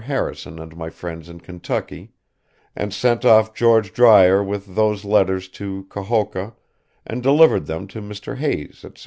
Harrison and my friends in Kentucky and sent off George Drewyer with those letters to Kohoka & delivered them to Mr. Hays &c.